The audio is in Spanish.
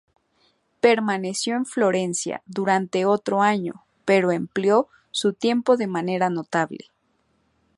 Permaneció en Florencia durante otro año, pero empleó su tiempo de manera notable.